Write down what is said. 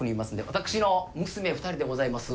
私の娘２人でございます。